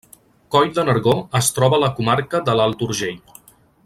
Coll de Nargó es troba a la comarca de l'Alt Urgell.